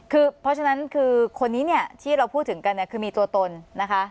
คือเพราะฉะนั้นคือคนนี้เนี่ยที่เราพูดถึงกันเนี่ยคือมีตัวตนนะคะ